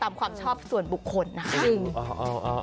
ตามความชอบส่วนบุคคลนะครับ